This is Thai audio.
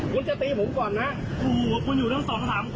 ก็ห้ามหลอกผมอย่างนี้ค่ะ